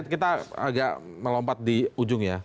kita agak melompat di ujung ya